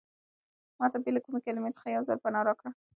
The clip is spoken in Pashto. ما ته بې له کومې کلمې څخه یو ځل پناه راکړه.